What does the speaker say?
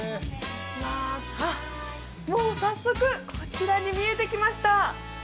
はっもう早速こちらに見えてきました